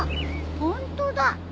ホントだ。